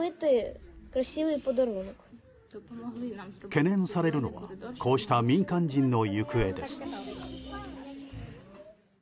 懸念されるのはこうした民間人の行方です。